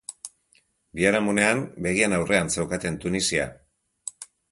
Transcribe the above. Biharamunean, begien aurrean zeukaten Tunisia.